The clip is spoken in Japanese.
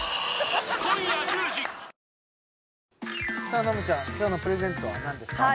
さあのむちゃん今日のプレゼントは何ですか？